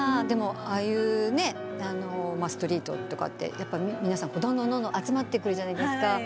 でもああいうストリートとかって皆さんどんどん集まってくるじゃないですか。